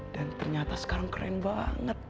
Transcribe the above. dan ternyata sekarang keren banget